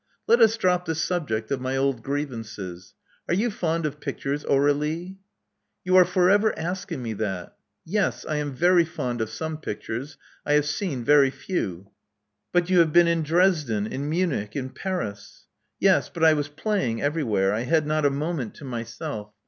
Let us drop the subject of my old grievances. Are you fond of pictures, Aur^lie?" You are for ever asking me that. Yes, I am very fond of some pictures. I have seen very few." Love Among the Artists 225 But you have been in Dresden, in Munich, in Paris?" "Yes. But I was playing everywhere — I had not a moment to myself.